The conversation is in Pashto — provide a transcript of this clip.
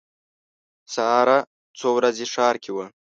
ساره څو ورځې ښار کې وه.